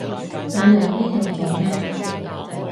你嚟呢度做咩？